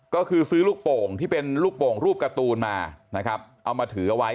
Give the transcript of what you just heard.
ก็คือซื้อลูกโป่งที่เป็นลูกโป่งรูปการ์ตูนมานะครับเอามาถือเอาไว้